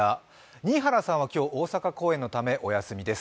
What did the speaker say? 新原さんは今日、大阪公演のためお休みです。